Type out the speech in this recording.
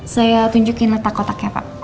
saya tunjukin letak kotaknya pak